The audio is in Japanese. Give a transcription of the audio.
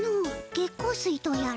月光水とやら。